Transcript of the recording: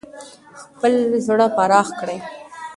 خپل زړه پراخ کړئ.